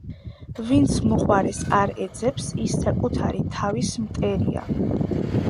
ვინც მოყვარეს არ ეძებს, ის საკუთარი თავის მტერია